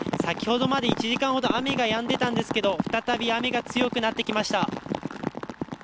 先ほどまで１時間ほど雨がやんでいましたが再び雨が強くなってきました。